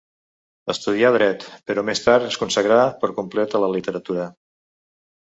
Estudià Dret, però més tard es consagrà per complet a la literatura.